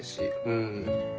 うん。